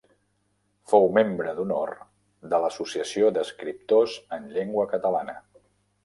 Fou membre d'honor de l'Associació d'Escriptors en Llengua Catalana.